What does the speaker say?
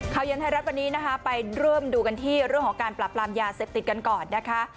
เย็นไทยรัฐวันนี้นะคะไปเริ่มดูกันที่เรื่องของการปรับปรามยาเสพติดกันก่อนนะคะ